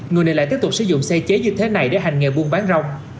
người này lại tiếp tục sử dụng xe chế như thế này để hành nghề buôn bán rau